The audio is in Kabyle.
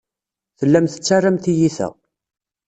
Tellam tettarram tiyita.